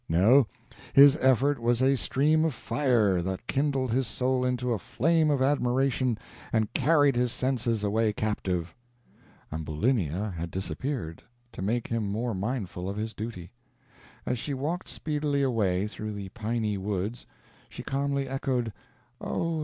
No, his effort was a stream of fire, that kindled his soul into a flame of admiration, and carried his senses away captive. Ambulinia had disappeared, to make him more mindful of his duty. As she walked speedily away through the piny woods, she calmly echoed: "O!